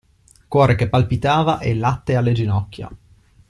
Cuore che palpitava e latte alle ginocchia.